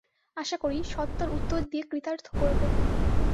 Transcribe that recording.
আশা করি, সত্বর উত্তর দিয়ে কৃতার্থ করবেন।